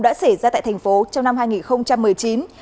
đã xảy ra tại tp hcm trong năm hai nghìn một mươi chín